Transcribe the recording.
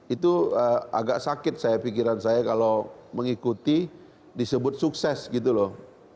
itu agak sakit saya pikiran saya kalau mengikuti disebut sukses gitu loh